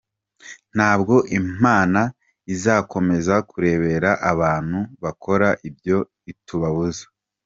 Ntabwo imana izakomeza kurebera abantu bakora ibyo itubuza.